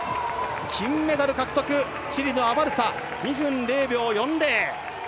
金メダル獲得チリのアバルサ、２分０秒４０。